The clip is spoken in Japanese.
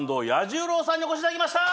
彌十郎さんにお越しいただきました！